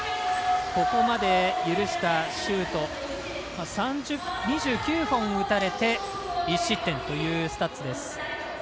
ここまで、許したシュート２９本打たれて１失点というスタッツです。